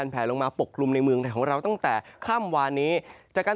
ภาระกาล